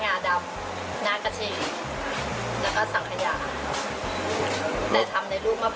ตลาดตอบรับดีค่ะตอนนี้ก็มีลาวมาทำสัญญาไว้แล้ว